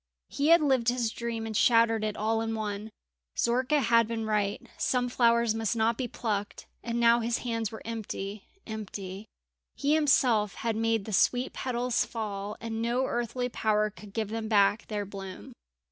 He had lived his dream and shattered it all in one. Zorka had been right, some flowers must not be plucked; and now his hands were empty empty. He himself had made the sweet petals fall, and no earthly power could give them back their bloom.